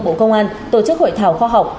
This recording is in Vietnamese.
bộ công an tổ chức hội thảo khoa học